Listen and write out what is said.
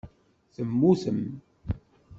Temmutem.